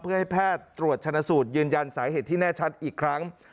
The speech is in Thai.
เพื่อให้แพทย์ตรวจชนะสูตรยืนยันสาเหตุที่แน่ชัดอีกครั้ง